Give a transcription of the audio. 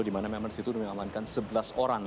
di mana memang situ mengamankan sebelas orang